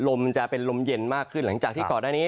มันจะเป็นลมเย็นมากขึ้นหลังจากที่ก่อนหน้านี้